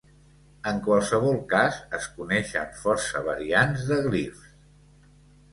En qualsevol cas, es coneixen força variants de glifs.